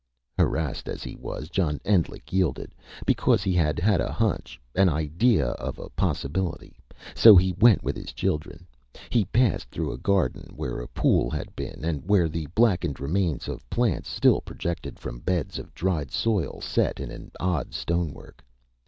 Harassed as he was, John Endlich yielded because he had a hunch, an idea of a possibility. So he went with his children. He passed through a garden, where a pool had been, and where the blackened remains of plants still projected from beds of dried soil set in odd stone work.